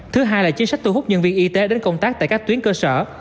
thứ hai là chính sách thu hút nhân viên y tế đến công tác tại các tuyến cơ sở